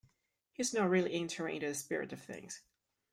He's not really entering into the spirit of things.